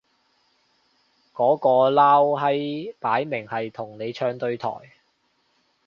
嗰個撈閪擺明係同你唱對台